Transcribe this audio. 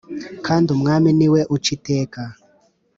kandi umwami niwe uca iteka,